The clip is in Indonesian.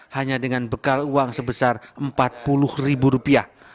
hanya dengan bekal uang sebesar rp empat puluh